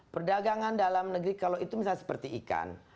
perdagangan dalam negeri kalau itu misalnya seperti ikan